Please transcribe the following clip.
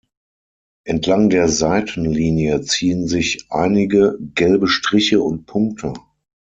Entlang der Seitenlinie ziehen sich einige gelbe Striche und Punkte.